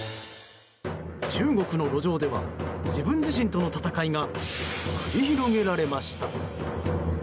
中国の路上では自分自身との戦いが繰り広げられました。